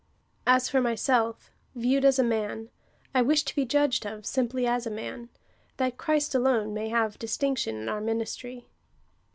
"As for myself, viewed as a man, I wish to be judged of simply as a man, that Christ alone may have distinction in our minis try."